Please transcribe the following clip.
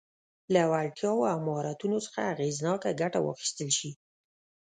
له وړتیاوو او مهارتونو څخه اغېزناکه ګټه واخیستل شي.